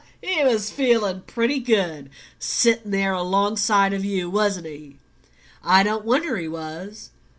"He was feeling pretty good, sitting there alongside of you, wasn't he? I don't wonder he was.